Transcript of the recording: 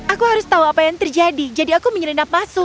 aku harus tahu apa yang terjadi jadi aku menyelinap masuk